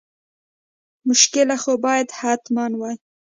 مشکله خو باید حتما وي.